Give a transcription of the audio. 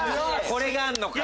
これがあんのか。